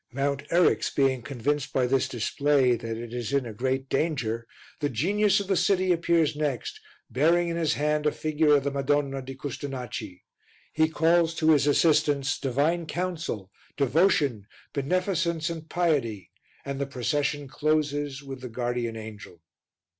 Mount Eryx being convinced by this display that it is in a great danger, the Genius of the city appears next, bearing in his hand a figure of the Madonna di Custonaci. He calls to his assistance Divine Counsel, Devotion, Beneficence and Piety, and the procession closes with the Guardian Angel.